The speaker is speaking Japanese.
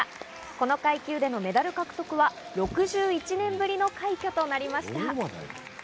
この階級でのメダル獲得は６１年ぶりの快挙となりました。